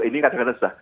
ini kadang kadang sudah